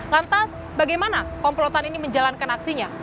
lantas bagaimana komplotan ini menjalankan aksinya